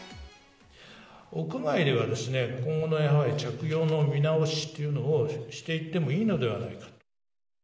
屋外では今後の着用の見直しというのをしていってもいいのではないかと。